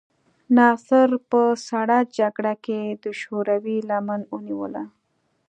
ناصر په سړه جګړه کې د شوروي لمن ونیوله.